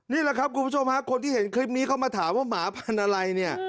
นี่แหละครับคุณผู้ชมฮะคนที่เห็นคลิปนี้เข้ามาถามว่าหมาพันธุ์อะไรเนี่ย